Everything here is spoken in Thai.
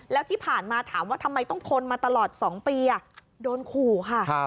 แล้วที่ผ่านมาถามว่าทำไมต้องทนมาตลอด๒ปีโดนขู่ค่ะ